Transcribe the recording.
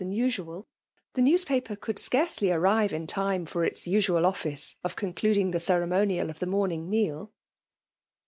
than usual, the newspaper could scarcely ar^ rive in time for its usual office of concluding the ceremonial of the morning meal.